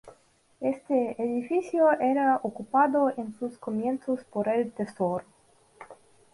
Este edificio era ocupado en sus comienzos por el tesoro.